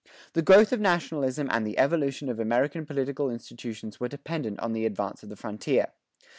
The growth of nationalism and the evolution of American political institutions were dependent on the advance of the frontier.